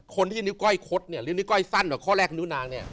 คนที่นิ้วก้อยคดหรือนิ้วก้อยสั้นกว่าข้อแรกของนิ้วนาง